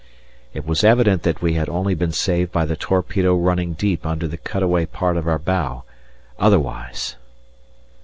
It was evident that we had only been saved by the torpedo running deep under the cut away part of our bow, otherwise!